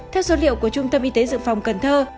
theo số liệu của trung tâm y tế dự phòng cần thơ